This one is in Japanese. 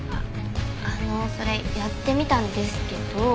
あのそれやってみたんですけど。